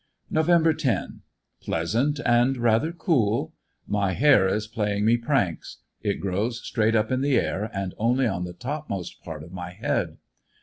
Nov. 10. — Pleasant and rather cool. My hair is playing me pranks. It gi ows straight up in the air and only on the topmost part of my head.